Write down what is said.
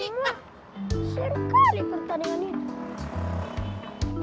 ya allah serka nih pertandingannya